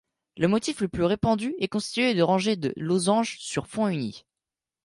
Le motif le plus répandu est constitué de rangées de losanges sur fond uni.